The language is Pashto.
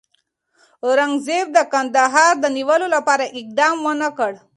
اورنګزېب د کندهار د نیولو لپاره اقدام ونه کړ.